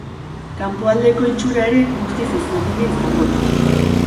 Kanpoaldeko itxura ere guztiz ezberdina izango da.